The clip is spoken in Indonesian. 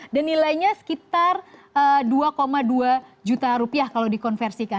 dan nilainya sekitar dua dua juta rupiah kalau dikonversikan